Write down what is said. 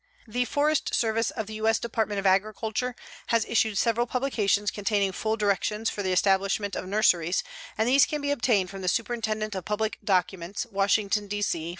The Forest Service of the U. S. Department of Agriculture has issued several publications containing full directions for the establishment of nurseries, and these can be obtained from the Superintendent of Public Documents, Washington, D. C.